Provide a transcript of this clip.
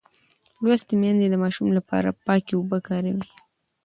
لوستې میندې د ماشوم لپاره پاکې اوبه کاروي.